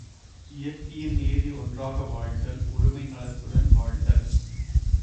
இயற்கையின் நியதி ஒன்றாக வாழ்தல் ஒருமை நலத்துடன் வாழ்தல்.